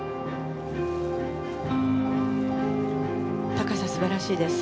高さ、素晴らしいです。